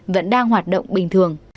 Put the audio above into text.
vẫn đang hoạt động bình thường